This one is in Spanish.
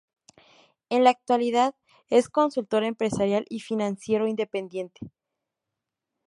En la actualidad es consultor empresarial y financiero independiente.